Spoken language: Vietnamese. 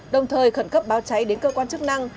đồng thời khẩn cấp báo cháy đến cơ quan chức năng